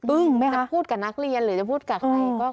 อึ้งไหมคะพูดกับนักเรียนหรือจะพูดกับใคร